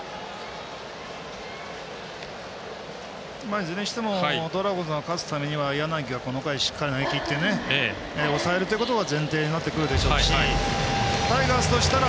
いずれにしてもドラゴンズが勝つためには柳が、この回をしっかり投げ切って抑えるということが前提になってくるでしょうしタイガースとしたら、